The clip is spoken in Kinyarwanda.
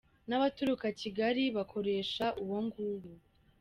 N’ abaturuka Kigali bakoresha uwo nguwo.